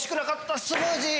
スムージー？